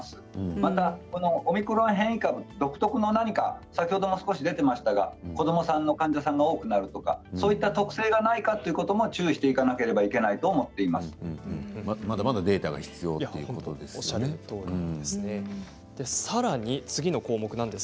またオミクロン株変異株、独特の何か先ほども少し出ていましたが子どもさんの患者さんが多くなるとかそういった特性がないかということも注意していかなければまだまだデータがさらに次の項目です。